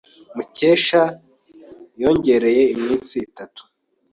Mukesha yongereye iminsi itatu.